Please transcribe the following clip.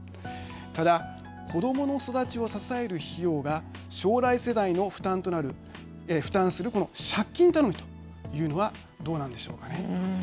ただ、子どもの育ちを支える費用が将来世代の負担するこの借金頼みというのはどうなんでしょうかね。